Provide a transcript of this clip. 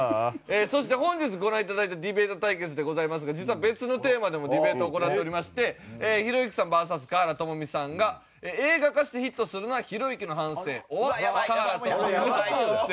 そして本日ご覧頂いたディベート対決でございますが実は別のテーマでもディベートを行っておりましてひろゆきさんＶＳ華原朋美さんが映画化してヒットするのはひろゆきの半生ｏｒ華原朋美の半生。